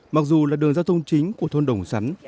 mặc dù là đường giao thông chính của thôn đồng sắn